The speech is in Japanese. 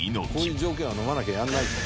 こういう条件をのまなきゃやらないって。